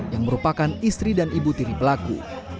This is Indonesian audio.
yang merupakan istri dan ibu tiri pelaku